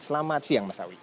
selamat siang mas awi